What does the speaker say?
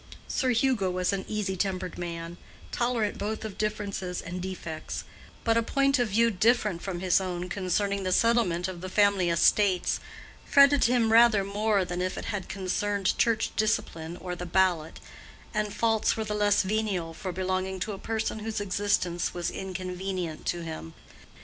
Sir Hugo was an easy tempered man, tolerant both of differences and defects; but a point of view different from his own concerning the settlement of the family estates fretted him rather more than if it had concerned Church discipline or the ballot, and faults were the less venial for belonging to a person whose existence was inconvenient to him.